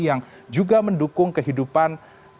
yang juga mendukung kehidupan